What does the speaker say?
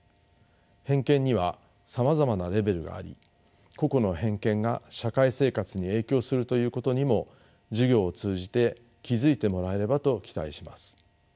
偏見にはさまざまなレベルがあり個々の偏見が社会生活に影響するということにも授業を通じて気付いてもらえればと期待します。